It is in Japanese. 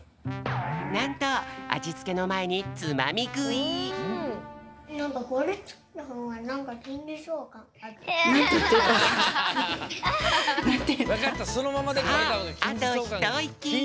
なんとあじつけのまえにさああとひといき！